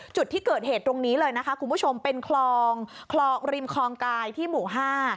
จุดที่เกิดเหตุตรงนี้เลยนะคะคุณผู้ชมเป็นคลองคลองริมคลองกายที่หมู่ห้า